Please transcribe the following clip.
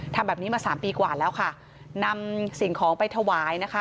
ทำแบบนี้มาสามปีกว่าแล้วค่ะนำสิ่งของไปถวายนะคะ